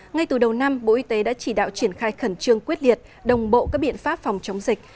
ngay từ đầu năm bộ y tế đã chỉ đạo triển khai khẩn trương quyết liệt đồng bộ các biện pháp phòng chống dịch